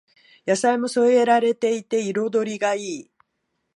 野菜も添えられていて彩りがいい